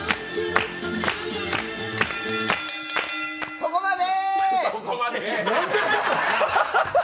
そこまで！